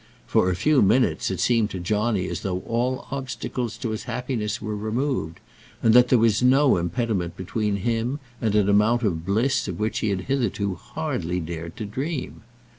For a few minutes it seemed to Johnny as though all obstacles to his happiness were removed, and that there was no impediment between him and an amount of bliss of which he had hitherto hardly dared to dream.